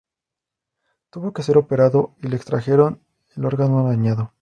Tuvo que ser operado y le extrajeron el órgano dañado.